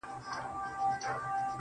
وسلوال غله خو د زړه رانه وړلای نه سي~